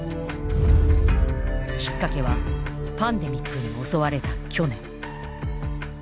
きっかけはパンデミックに襲われた去年。